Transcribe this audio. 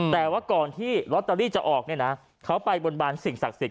แต่ว่าก่อนที่ลอตเตอรี่จะออกเนี่ยนะเขาไปบนบานสิ่งศักดิ์สิท